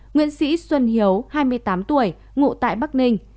nguyễn sĩ xuân hiếu hai mươi tám tuổi ngụ tại bắc ninh